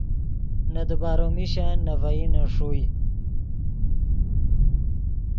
نے دیبارو میشن نے ڤئینے ݰوئے